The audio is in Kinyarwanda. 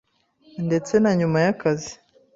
ndetse na nyuma y’akazi